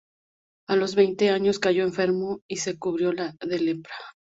A los veinte años cayó enfermo y se cubrió de lepra.